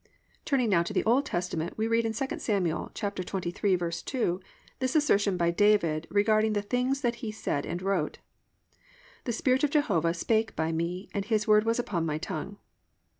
Turning now to the old Testament we read in 2 Sam. 23:2 this assertion by David regarding the things that he said and wrote: +"The Spirit of Jehovah spake by me, and his word was upon my tongue."